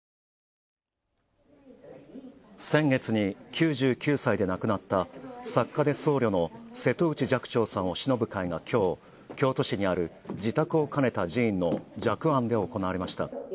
先月に９９歳で亡くなった作家で僧侶の瀬戸内寂聴さんをしのぶ会が、きょう京都市にある自宅を兼ねた寺院の寂庵で行われました。